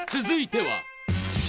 続いては。